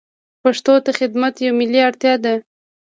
پښتو ته خدمت یوه ملي اړتیا ده.